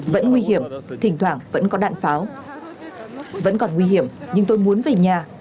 vẫn nguy hiểm thỉnh thoảng vẫn có đạn pháo vẫn còn nguy hiểm nhưng tôi muốn về nhà